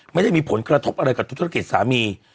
ไม่ได้มีผลกระทบอะไรกับธุรกิจสามี